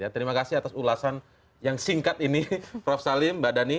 terima kasih atas ulasan yang singkat ini prof salim mbak dhani